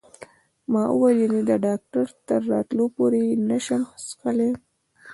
ما وویل: یعنې د ډاکټر تر راتلو پورې یې نه شم څښلای؟